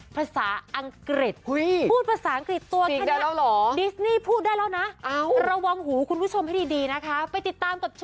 ไปติดตามกับช่วงเจ้าแจริ้มจอ